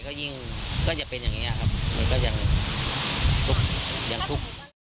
ก็ยิ่งก็จะเป็นอย่างเงี้ยครับมันก็จะยังทุกข์